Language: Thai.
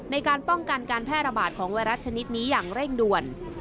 ในการป้องกันการแพร่ระบาดของไวรัสชนิดนี้อย่างเร่งด่วน